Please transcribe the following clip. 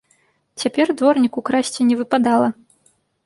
Цяпер дворніку красці не выпадала.